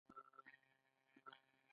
انګرېزانو هغه ته اطمیان ورکړ.